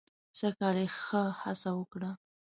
سږ کال یې ښه هڅه وکړه.